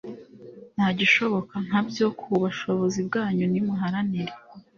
Nta gishoboka nka byo! Ku bushobozi bwanyu, nimuharanire